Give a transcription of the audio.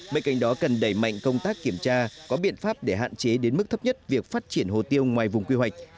bên cạnh đó cần đẩy mạnh công tác kiểm tra có biện pháp để hạn chế đến mức thấp nhất việc phát triển hồ tiêu ngoài vùng quy hoạch